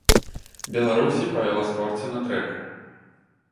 Беларусі па веласпорце на трэку.